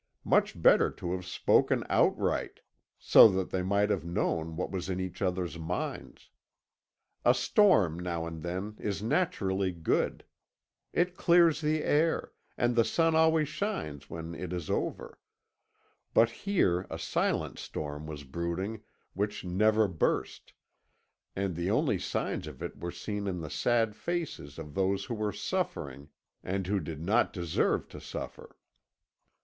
Much better to have spoken outright, so that they might have known what was in each other's minds. A storm now and then is naturally good; it clears the air, and the sun always shines when it is over; but here a silent storm was brooding which never burst, and the only signs of it were seen in the sad faces of those who were suffering, and who did not deserve to suffer.